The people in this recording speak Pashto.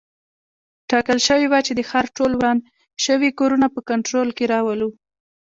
ټاکل شوي وه چې د ښار ټول وران شوي کورونه په کنټرول کې راولو.